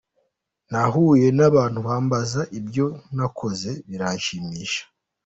Nahuye n’abantu bambaza ibyo nakoze, biranshimisha.